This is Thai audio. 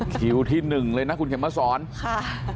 คิวที่หนึ่งเลยนะคุณเข็มมาสอนค่ะ